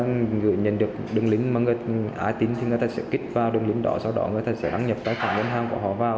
nhận được đường link mà người ta ái tính thì người ta sẽ click vào đường link đó sau đó người ta sẽ đăng nhập tài khoản ngân hàng của họ vào